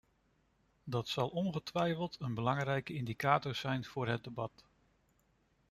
Dat zal ongetwijfeld een belangrijke indicatie zijn voor het debat.